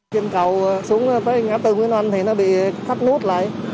trên cầu xuống tới ngã bốn nguyễn oanh thì nó bị thắt nút lại